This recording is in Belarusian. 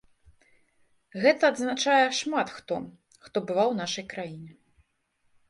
Гэта адзначае шмат хто, хто бываў у нашай краіне.